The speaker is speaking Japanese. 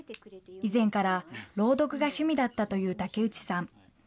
以前から朗読が趣味だったという竹内さん。